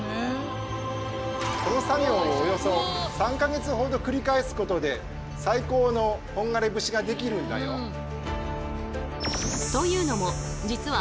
この作業をおよそ３か月ほど繰り返すことで最高の本枯節ができるんだよ。というのも実は